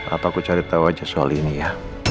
apa aku cari tahu aja soal ini ya